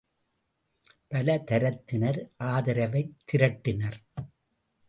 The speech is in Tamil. பல தரத்தினர் ஆதரவைத் திரட்டினர்.